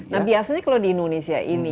nah biasanya kalau di indonesia ini